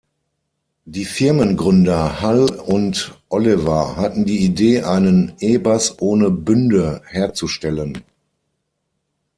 Die Firmengründer Hull und Oliver hatten die Idee, einen E-Bass ohne Bünde herzustellen.